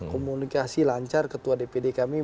komunikasi lancar ketua dpd kami